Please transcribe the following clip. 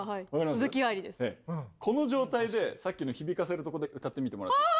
この状態でさっきの響かせるとこで歌ってみてもらって。